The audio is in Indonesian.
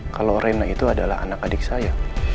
kalau rena itu adalah anak adik saya